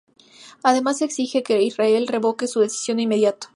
Además, se exige que Israel revoque su decisión de inmediato.